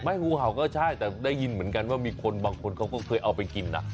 งูเห่าก็ใช่แต่ได้ยินเหมือนกันว่ามีคนบางคนเขาก็เคยเอาไปกินนะ